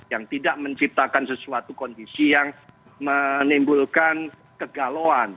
yang tidak menciptakan sesuatu kondisi yang menimbulkan kegalauan